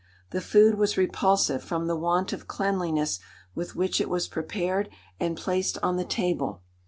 The food was repulsive from the want of cleanliness with which it was prepared and placed on the table.